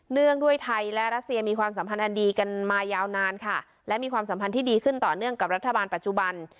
เนื่องด้วยไทยและรัสเซียมีความสัมพันธ์อันดีกันมายาวนานค่ะและมีความสัมพันธ์ที่ดีขึ้นต่อเนื่องกับรัฐบาลปัจจุบัน